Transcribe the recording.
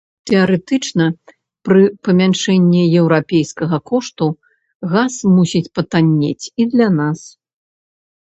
Тэарэтычна пры памяншэнні еўрапейскага кошту, газ мусіць патаннець і для нас.